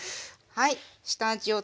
はい。